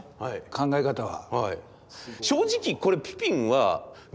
考え方は。